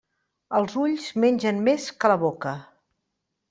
Els ulls mengen més que la boca.